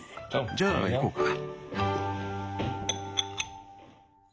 じゃあいこうか！